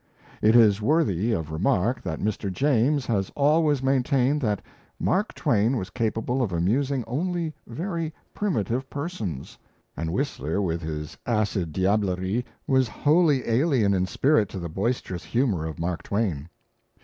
It is worthy of remark that Mr. James has always maintained that Mark Twain was capable of amusing only very primitive persons; and Whistler, with his acid diablerie, was wholly alien in spirit to the boisterous humour of Mark Twain.